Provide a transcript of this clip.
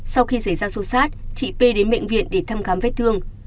sau khi xảy ra xô xát chị p đến bệnh viện để thăm khám vết thương